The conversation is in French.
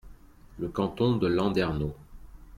Le canton de Landerneau.